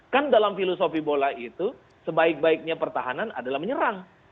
kan dalam filosofi bola itu sebaik baiknya pertahanan adalah menyerang